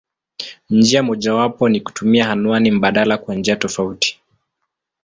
Njia mojawapo ni kutumia anwani mbadala kwa jina tofauti.